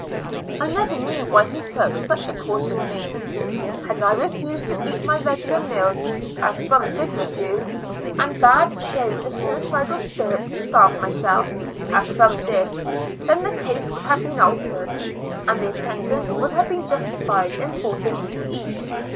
I never knew why he took such a course with me. Had I refused to eat my regular meals, as some did refuse, and had shown a suicidal spirit to starve myself, as some did, then the case would have been altered, and the attendant would have been justified in forcing me to eat.